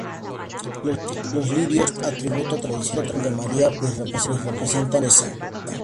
Los lirios son un atributo tradicional de María, pues representan la pureza.